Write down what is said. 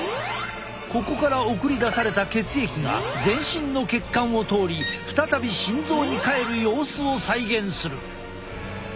ここから送り出された血液が全身の血管を通り再び心臓に帰る様子を再現する。